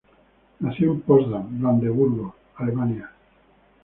Nació en Potsdam, Brandeburgo, Alemania.